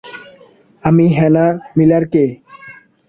আমি Hannah Miller কে!